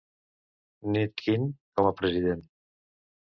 "Ned" Quinn com a president.